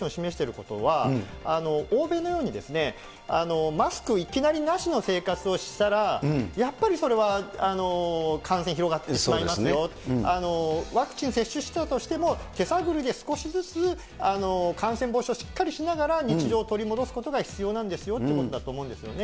ただ、その場合にこのシミュレーションが示していることは、欧米のようにマスクいきなりなしの生活をしたら、やっぱりそれは感染広がってしまいますよ、ワクチン接種したとしても、手探りで少しずつ感染防止をしっかりしながら日常を取り戻すことが必要なんですよということだと思うんですよね。